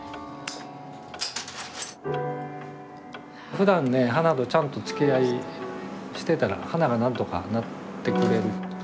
ふだんね花とちゃんとつきあいしてたら花が何とかなってくれる。